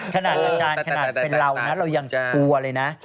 อาจารย์ขนาดเป็นเรานะเรายังกลัวเลยนะ